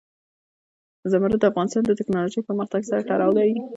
زمرد د افغانستان د تکنالوژۍ پرمختګ سره تړاو لري.